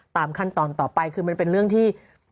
ตามขั้นตอนต่อไปคือมันเป็นเรื่องที่